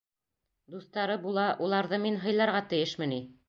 Дуҫтары була, уларҙы мин һыйларға тейешме ни?